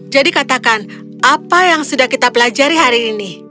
jadi katakan apa yang sudah kita pelajari hari ini